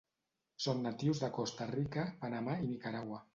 Són natius de Costa Rica, Panamà i Nicaragua.